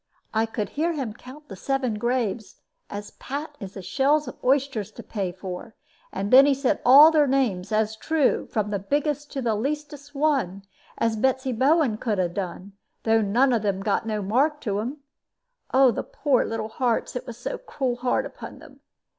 I could hear him count the seven graves, as pat as the shells of oysters to pay for, and then he said all their names, as true, from the biggest to the leastest one, as Betsy Bowen could 'a done it, though none of 'em got no mark to 'em. Oh, the poor little hearts, it was cruel hard upon them!